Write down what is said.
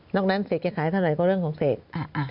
นอกนั้นเสียจะขายเท่าไหร่ก็เรื่องของเสีย